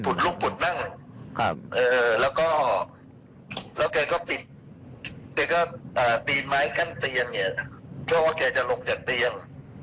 ปุ่นลุกปุ่นนั่งแล้วก็แกก็ปิดไม้ขั้นเตียงเพราะว่าแกจะลงจากเตียง